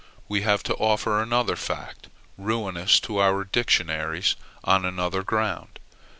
We have to offer another fact, ruinous to our dictionaries on another ground.